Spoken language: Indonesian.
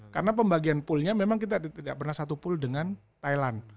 karena pembagian poolnya memang kita tidak pernah satu pool dengan thailand